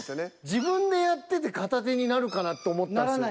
自分でやってて片手になるかなって思ったんすよ。